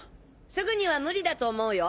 すぐには無理だと思うよ。